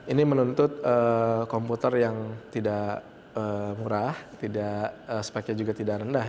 ini menuntut komputer yang tidak murah speknya juga tidak rendah